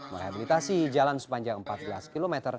merehabilitasi jalan sepanjang empat belas km